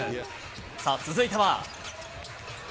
さあ、続いては。